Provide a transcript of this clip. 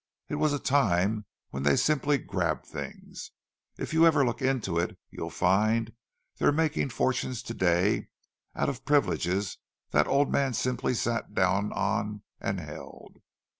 It was a time when they simply grabbed things—if you ever look into it, you'll find they're making fortunes to day out of privileges that the old man simply sat down on and held.